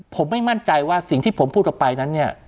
ผมไม่มั่นใจว่าสิ่งที่ผมพูดออกไปนั้นเนี่ย